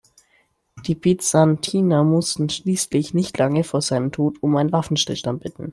Die Byzantiner mussten schließlich, nicht lange vor seinem Tod, um einen Waffenstillstand bitten.